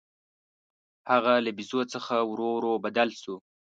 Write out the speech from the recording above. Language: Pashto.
هغه له بیزو څخه ورو ورو بدل شو.